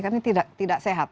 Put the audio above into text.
karena ini tidak sehat